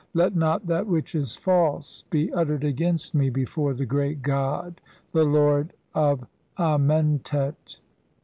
Let not that which is false be "uttered against me before the great god, the lord "of Amentet" (see p.